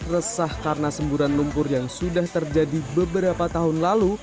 resah karena semburan lumpur yang sudah terjadi beberapa tahun lalu